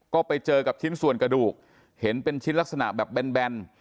ก็ไปเจอกับชิ้นส่วนกระดูกเห็นเป็นชิ้นลักษณะแบบแบน